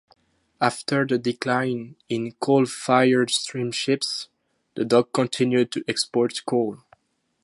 After the decline in coal-fired steamships, the dock continued to export coal.